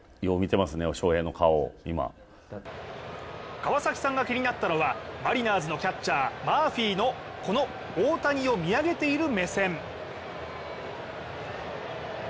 川崎さんが気になったのはマリナーズのキャッチャーマーフィーの、この大谷を見上げている目線。